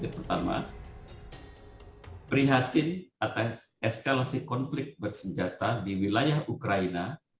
pertama prihatin atas eskalasi konflik bersenjata di wilayah ukraina